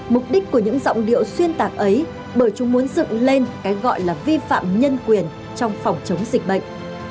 mục đích của những giọng điệu xuyên tạc ấy bởi chúng muốn dựng lên cái gọi là vi phạm nhân quyền trong phòng chống dịch bệnh